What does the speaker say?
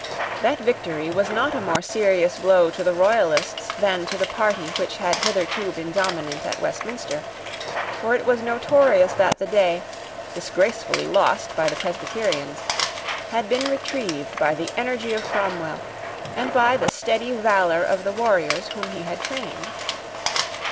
That victory was not a more serious blow to the Royalists than to the party which had hitherto been dominant at Westminster, for it was notorious that the day, disgracefully lost by the Presbyterians, had been retrieved by the energy of Cromwell, and by the steady valour of the warriors whom he had trained.